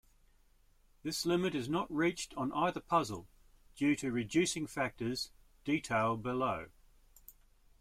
This limit is not reached on either puzzle, due to reducing factors detailed below.